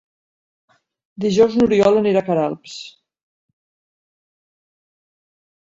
Dijous n'Oriol anirà a Queralbs.